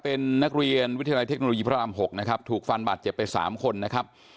เป็นนักเรียนวิทยาลัยเทคโนโลยีพระราม๖นะครับถูกฟันบาดเจ็บไปสามคนนะครับ